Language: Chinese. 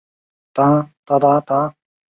刺史尹耀逮捕了强盗。